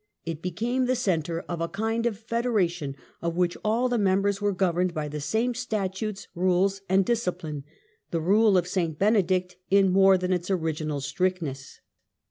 It became the centre of a kind of federation, of which all the members were governed by the same statutes, rules and discipline, the Eule of St Benedict in more than its original strictness.